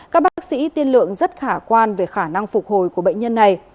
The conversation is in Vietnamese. các bác sĩ tiên lượng rất khả quan về khả năng phục hồi của bệnh nhân này